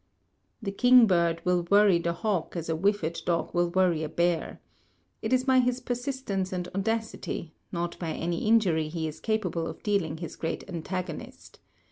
The kingbird will worry the hawk as a whiffet dog will worry a bear. It is by his persistence and audacity, not by any injury he is capable of dealing his great antagonist.